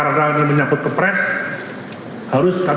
oh gitu ya